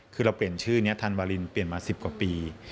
คือเราเปลี่ยนชื่อนี้ธันวาลินเปลี่ยนมา๑๐กว่าปี